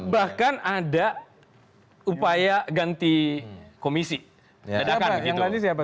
bahkan ada upaya ganti komisi dadakan